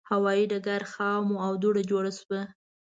هوایي ډګر خام و او دوړه جوړه شوه.